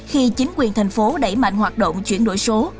khi chính quyền thành phố đẩy mạnh hoạt động chuyển đổi số